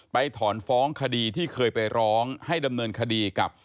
ถอนฟ้องคดีที่เคยไปร้องให้ดำเนินคดีกับ